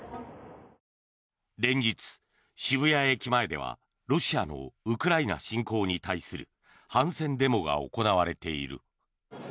連日、渋谷駅前ではロシアのウクライナ侵攻に対する反戦デモが行われている。